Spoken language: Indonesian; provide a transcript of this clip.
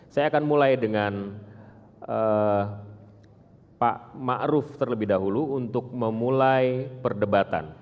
saya akan mulai dengan pak ⁇ maruf ⁇ terlebih dahulu untuk memulai perdebatan